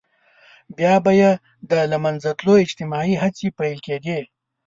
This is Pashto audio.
بيا به يې د له منځه تلو اجتماعي هڅې پيل کېدې.